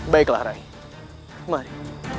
baiklah ray mari